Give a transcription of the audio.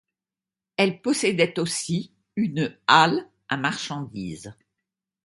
Elle possédait aussi une halle à marchandises.